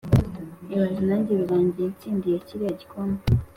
ibaze najye birangiye nsindiye kiriya gikombe